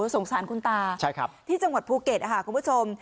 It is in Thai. สงสารคุณตาที่จังหวัดภูเก็ตค่ะคุณผู้ชม